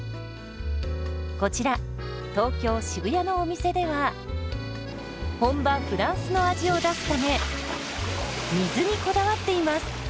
こちら東京・渋谷のお店では本場フランスの味を出すため水にこだわっています。